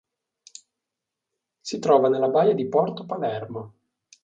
Si trova nella baia di Porto Palermo.